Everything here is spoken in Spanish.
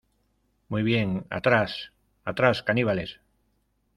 ¡ Muy bien, atrás! ¡ atrás , caníbales !